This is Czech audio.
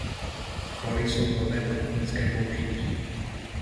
Plody jsou vhodné pro kuchyňské použití.